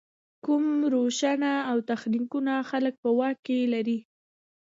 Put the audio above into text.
کوم روشونه او تخنیکونه خلک په واک کې لري.